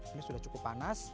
ini sudah cukup panas